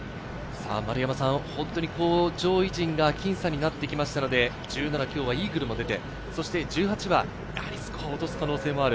本当に上位陣が僅差になってきましたので、１７、今日はイーグルも出て、１８はスコアを落とす可能性もある。